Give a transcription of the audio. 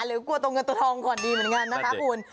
กลัวตัวเงินตัวทองก่อนดีเหมือนกันนะคะคุณ